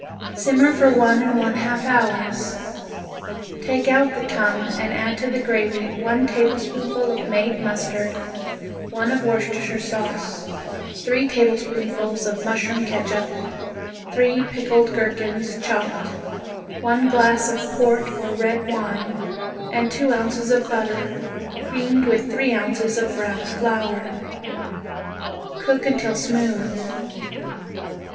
Simmer for one and one half hours. Take out the tongue and add to the gravy one tablespoonful of made mustard, one of Worcestershire sauce, three tablespoonfuls of mushroom catsup, three picketed gherkins chopped, one glass of port or red wine, and two ounces of butter, creamed with three ounces of browned flour. Cook until smooth.